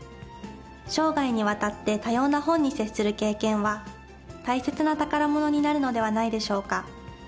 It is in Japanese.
生涯にわたって多様な本に接する経験は、大切な宝物になるのではないでしょうか。